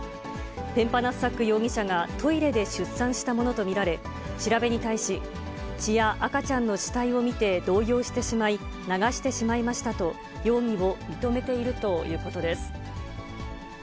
ペンパナッサック容疑者がトイレで出産したものと見られ、調べに対し、血や赤ちゃんの死体を見て動揺してしまい、流してしまいましたと、容疑を認めているということです。